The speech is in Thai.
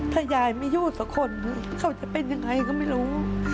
ถ้ายายไม่อยู่สักคนเขาจะเป็นยังไงก็ไม่รู้